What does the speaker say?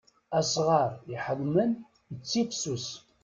Asɣar iḥeḍmen ittifsus.